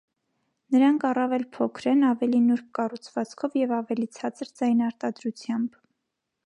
Նրանք առավել փոքր են, ավելի նուրբ կառուցվածքով և ավելի ցածր ձայնարտադրությամբ։